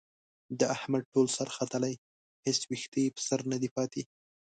د احمد ټول سر ختلی، هېڅ وېښته یې په سر ندی پاتې.